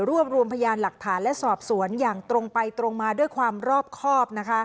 รวบรวมพยานหลักฐานและสอบสวนอย่างตรงไปตรงมาด้วยความรอบครอบ